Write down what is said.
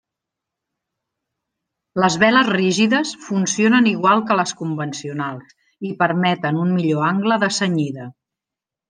Les veles rígides funcionen igual que les convencionals i permeten un millor angle de cenyida.